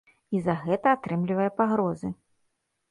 І за гэта атрымлівае пагрозы.